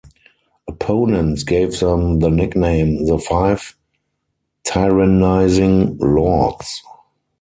Opponents gave them the nickname "the five tyrannising lords".